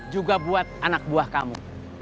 juga buat anak buah kamu